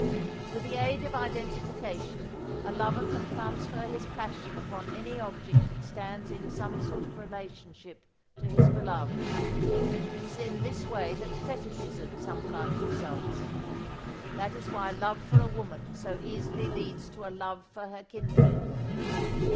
With the aid of identification a lover can transfer his passion upon any object that stands in some sort of relationship to his beloved. It is in this way that fetichism sometimes results. That is why love for a woman so easily leads to a love for her kindred.